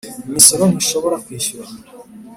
Imisoro ntishobora kwishyura